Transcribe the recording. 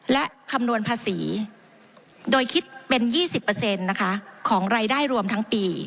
และคำนวณภาษีโดยคิดเป็น๒๐นะคะของรายได้รวมทั้งปี